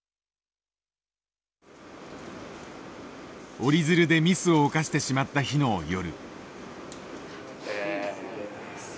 折り鶴でミスを犯してしまった日の夜。